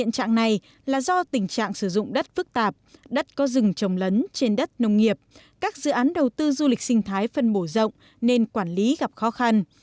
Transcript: trạng này là do tình trạng sử dụng đất phức tạp đất có rừng trồng lấn trên đất nông nghiệp các dự án đầu tư du lịch sinh thái phân bổ rộng nên quản lý gặp khó khăn